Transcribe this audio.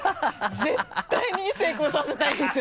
絶対に成功させたいんですよ